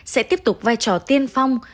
sẽ tiếp tục vai trò tiên phong